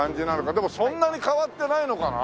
でもそんなに変わってないのかな？